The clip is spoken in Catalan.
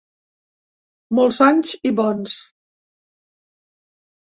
Molts anys i bons.